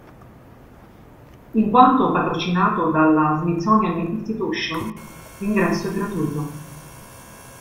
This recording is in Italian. In quanto patrocinato dalla Smithsonian Institution, l'ingresso è gratuito.